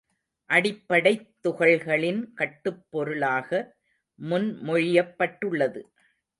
அடிப்படைத் துகள்களின் கட்டுப் பொருளாக முன்மொழியப்பட்டுள்ளது.